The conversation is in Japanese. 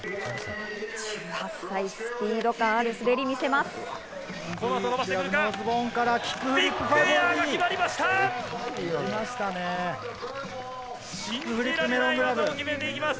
１８歳、スピード感ある滑りを見せます。